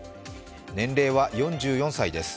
年齢は４４歳です。